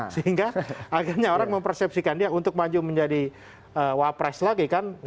sehingga akhirnya orang mempersepsikan dia untuk maju menjadi wapres lagi kan